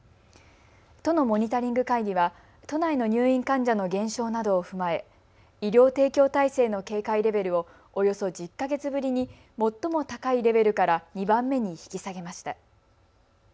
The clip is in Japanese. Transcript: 都のモニタリング会議は都内の入院患者の減少などを踏まえ医療提供体制の警戒レベルをおよそ１０か月ぶりに最も高いレベルから２番目に引き下げました。